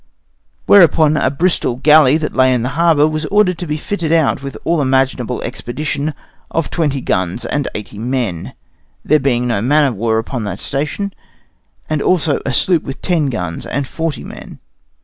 Whereupon a Bristol galley that lay in the harbor was ordered to be fitted out with all imaginable expedition, of 20 guns and 80 men, there being then no man of war upon that station, and also a sloop with 10 guns and 40 men.